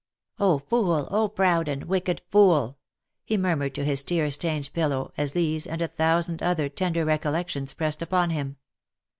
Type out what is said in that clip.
"Oh, fool! oh, proud and wicked fool!" he murmured to his tear stained pillow, as these, and a thousand other tender recollections pressed upon him.